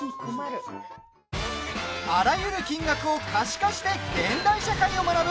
あらゆる金額を可視化して現代社会を学ぶ